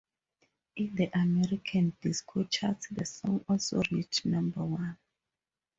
In the American Disco charts the song also reached number one.